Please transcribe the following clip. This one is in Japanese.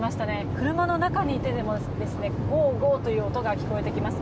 車の中にいてもゴーゴーという音が聞こえてきます。